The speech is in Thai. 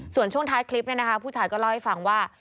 ส่วนช่วงท้ายคลิปผู้ชายก็เล่าให้ฟังว่า